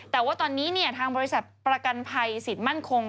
แต่ว่าตอนนี้ทางบริษัทประกันภัยสิทธิ์มั่นคง